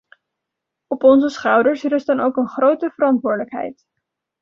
Op onze schouders rust dan ook een grote verantwoordelijkheid.